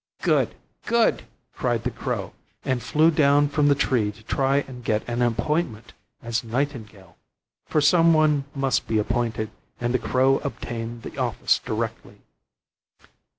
"Good! good!" cried the crow, and flew down from the tree to try and get an appointment as nightingale; for some one must be appointed; and the crow obtained the office directly.